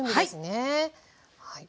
はい。